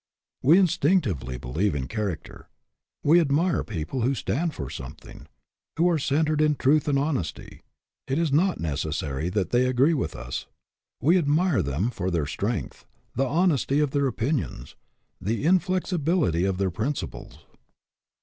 We instinctively believe in character. We admire people who stand for something; who are centered in truth and honesty. It is not necessary that they agree with us. We admire them for their strength, the honesty of their opinions, the inflexibility of their principles.